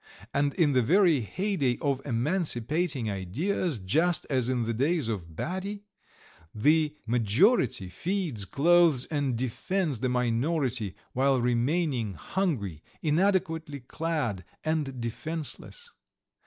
And in the very heyday of emancipating ideas, just as in the days of Baty, the majority feeds, clothes, and defends the minority while remaining hungry, inadequately clad, and defenceless.